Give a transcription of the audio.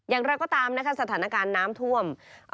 อย่างไรก็ตามนะคะสถานการณ์น้ำท่วม